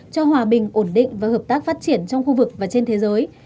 cho hòa bình ổn định và hợp tác phát triển trong khu vực và trên thế giới